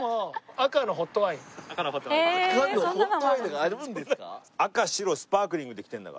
赤のホットワインとかあるんですか？